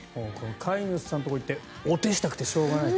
飼い主さんのところに行ってお手をしたくてしょうがない。